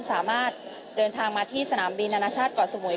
สามารถเดินทางมาที่สนามบินอนาชาติเกาะสมุย